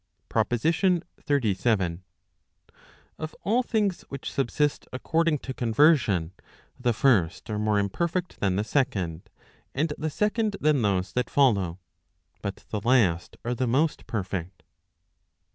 PROPOSITION XXXVII. Of all things which subsist according to conversion, the first are more imperfect than the second, and the second than those that follow; but the last are the most perfect.